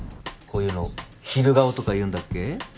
こういうの昼顔とか言うんだっけ？